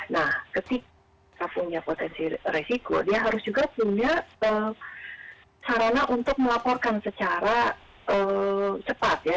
nah ketika punya potensi resiko dia harus juga punya sarana untuk melaporkan secara cepat ya